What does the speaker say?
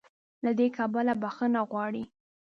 له دې کبله "بخښنه غواړي"